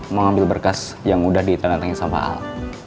mau ambil berkas yang udah ditandatangani sama pak al